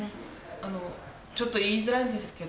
あのちょっと言いづらいんですけど。